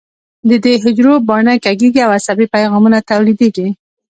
د دې حجرو باڼه کږېږي او عصبي پیغامونه تولیدېږي.